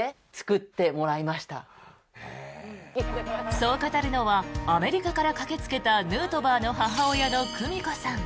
そう語るのはアメリカから駆けつけたヌートバーの母親の久美子さん。